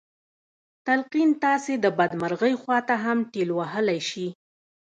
تلقين تاسې د بدمرغۍ خواته هم ټېل وهلی شي.